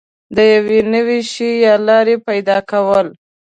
د یو نوي شي یا لارې پیدا کول